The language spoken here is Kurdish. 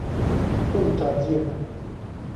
Tom terziyek e.